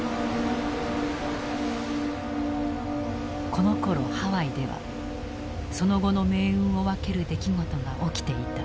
このころハワイではその後の命運を分ける出来事が起きていた。